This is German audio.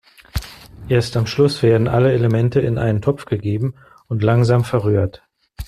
Erst am Schluss werden alle Elemente in einem Topf gegeben und langsam verrührt.